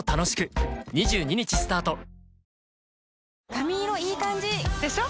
髪色いい感じ！でしょ？